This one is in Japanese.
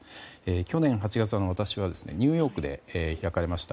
去年８月私はニューヨークで開かれました